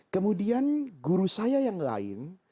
kemudian guru saya yang lain